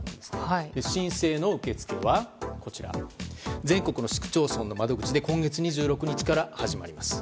申請の受け付けは全国の市区町村の窓口で今月２６日から始まります。